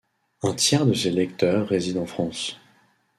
Un tiers de ses lecteurs résident en France.